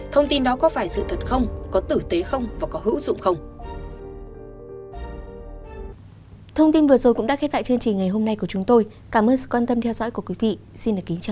thông tin đó có phải sự thật không có tử tế không và có hữu dụng không